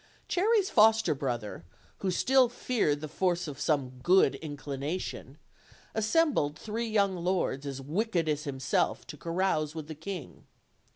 Cherry's foster brother, who still feared the force of some good inclination, assembled three young lords as wicked as himself, to carouse with the king.